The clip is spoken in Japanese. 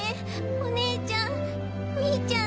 お姉ちゃんミーちゃん